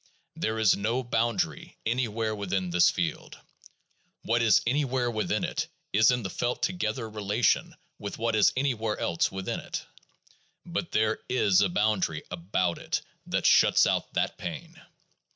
There is no boundary anywhere within this field; what is anywhere within it is in the felt together relation with what is anywhere else within it. But there is a boundary about it, that shuts out that pain.